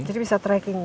jadi bisa tracking gitu